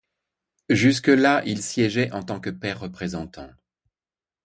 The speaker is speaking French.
Jusque-là, il siégeait en tant que pair représentant.